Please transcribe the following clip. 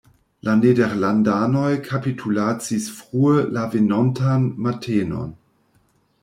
La nederlandanoj kapitulacis frue la venontan matenon.